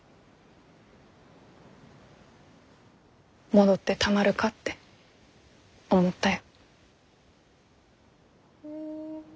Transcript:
戻ってたまるかって思ったよ。